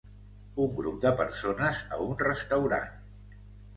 Un grup de persones a un restaurant.